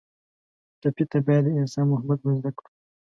ټپي ته باید د انسان محبت ور زده کړو.